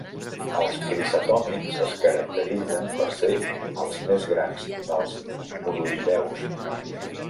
Els cricetomins es caracteritzen per ser els més grans dels muroïdeus.